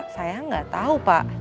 saya nggak tau pak